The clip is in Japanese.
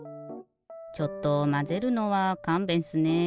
ちょっとまぜるのはかんべんっすね。